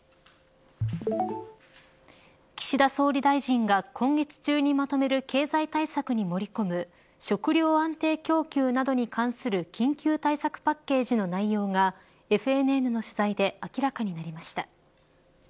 岸田総理大臣が今月中にまとめる経済対策に盛り込む食料安定供給などに関する緊急対策パッケージの内容がＦＮＮの取材で明らかになりました。